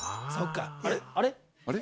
あれ？